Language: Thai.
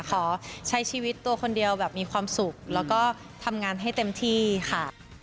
ขอใช้ชีวิตตัวคนเดียวแบบมีความสุขแล้วก็ทำงานให้เต็มที่ค่ะ